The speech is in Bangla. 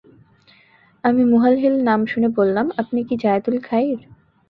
আমি মুহালহিল নাম শুনে বললাম, আপনি কি যায়দুল খাইর?